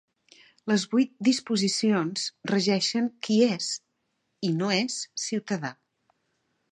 Les vuit disposicions regeixen qui és i no és ciutadà.